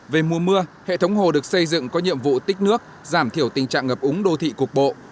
về mùa mưa hệ thống hồ được xây dựng có nhiệm vụ tích nước giảm thiểu tình trạng ngập úng đô thị cục bộ